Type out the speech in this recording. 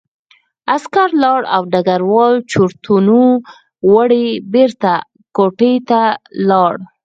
عسکر لاړ او ډګروال چورتونو وړی بېرته کوټې ته لاړ